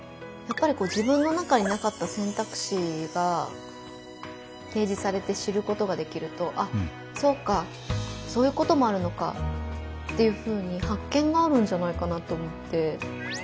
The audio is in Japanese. やっぱり自分の中になかった選択肢が提示されて知ることができるとあっそうかそういうこともあるのかっていうふうに発見があるんじゃないかなと思って。